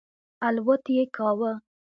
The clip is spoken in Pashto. الوت یې کاوه.